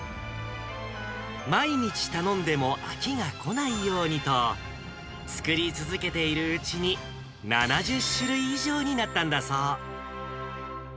毎日頼んでも飽きがこないようにと、作り続けているうちに、７０種類以上になったんだそう。